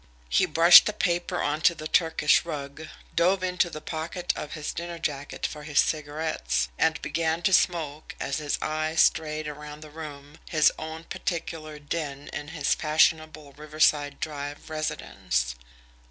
He brushed the paper onto the Turkish rug, dove into the pocket of his dinner jacket for his cigarettes, and began to smoke as his eyes strayed around the room, his own particular den in his fashionable Riverside Drive residence.